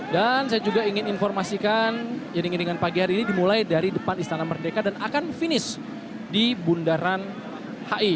dan saya juga ingin informasikan jaring jaringan pagi hari ini dimulai dari depan istana merdeka dan akan finish di bundaran hi